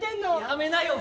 やめなよ